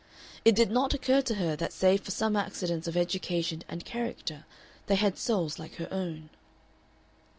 It did not occur to her that save for some accidents of education and character they had souls like her own.